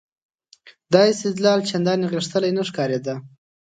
دا استدلال چندانې غښتلی نه ښکارېده.